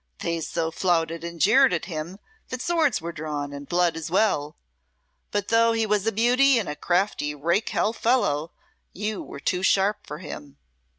They so flouted and jeered at him that swords were drawn, and blood as well. But though he was a beauty and a crafty rake hell fellow, you were too sharp for him.